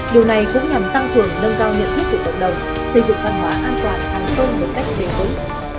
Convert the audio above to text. điều này cũng nhằm tăng cường nâng cao nhận thức của cộng đồng xây dựng văn hóa an toàn hàng không một cách bền vững